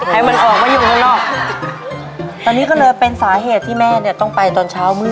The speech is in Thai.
ให้มันออกมาอยู่ข้างนอกตอนนี้ก็เลยเป็นสาเหตุที่แม่เนี่ยต้องไปตอนเช้ามืด